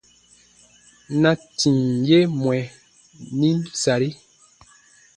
Na tìm ye mwɛ nim sari :